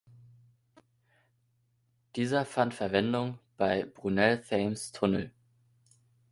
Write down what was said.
Dieser fand Verwendung bei Brunels Thames Tunnel.